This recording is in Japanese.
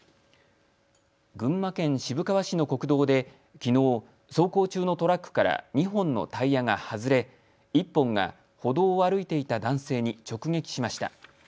群馬県渋川市の国道できのう、走行中のトラックから２本のタイヤが外れ１本が歩道を歩いていた男性に直撃しました。